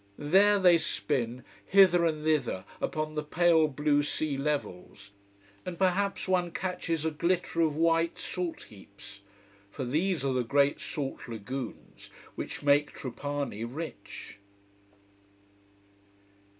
There they spin, hither and thither, upon the pale blue sea levels. And perhaps one catches a glitter of white salt heaps. For these are the great salt lagoons which make Trapani rich.